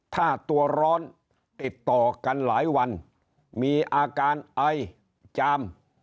ถ้าตัวร้อนติดต่อกันหลายวันมีอาการไอจาม